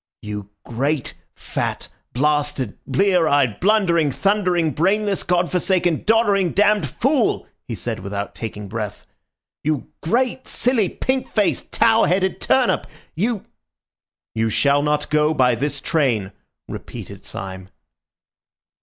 "You great fat, blasted, blear eyed, blundering, thundering, brainless, Godforsaken, doddering, damned fool!" he said without taking breath. "You great silly, pink faced, towheaded turnip! You—" "You shall not go by this train," repeated Syme.